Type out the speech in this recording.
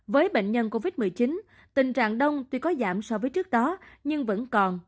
với bệnh nhân covid một mươi chín tình trạng đông tuy có giảm so với trước đó nhưng vẫn còn